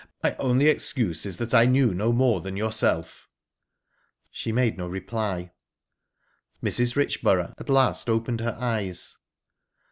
My only excuse is that I knew no more than yourself." She made no reply. Mrs. Richborough at last opened her eyes.